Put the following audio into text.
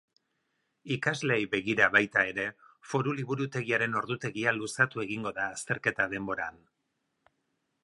Ikasleei begira baita ere, foru liburutegiaren ordutegia luzatu egingo da azterketa denboran.